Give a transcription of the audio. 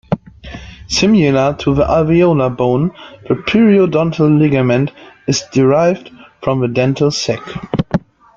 Similar to the alveolar bone, the periodontal ligament is derived from the dental sac.